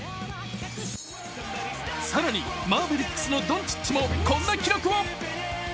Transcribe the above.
更に、マーベリックスのドンチッチもこんな記録を。